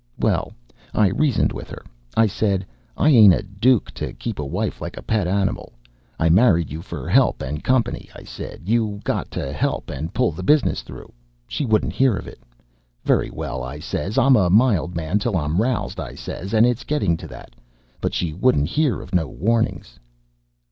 Well I reasoned with her. I said, 'I ain't a duke, to keep a wife like a pet animal. I married you for 'elp and company.' I said, 'You got to 'elp and pull the business through.' She wouldn't 'ear of it. 'Very well,' I says?? 'I'm a mild man till I'm roused,' I says, 'and it's getting to that.' But she wouldn't 'ear of no warnings."